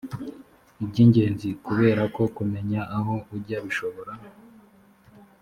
iby’ingenzi kubera ko kumenya aho ujya bishobora